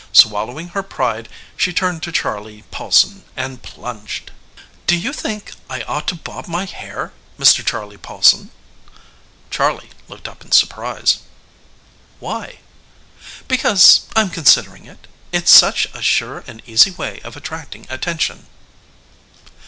Swallowing her pride she turned to Charley Paulson and plunged. "Do you think I ought to bob my hair, Mr. Charley Paulson?" Charley looked up in surprise. "Why?" "Because I'm considering it. It's such a sure and easy way of attracting attention."